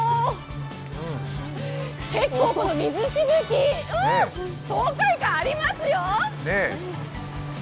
結構水しぶき、爽快感ありますよ！